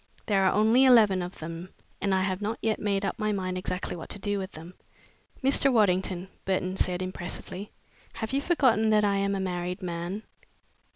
There are only eleven of them and I have not yet made up my mind exactly what to do with them." "Mr. Waddington," Burton said impressively, "have you forgotten that I am a married man?"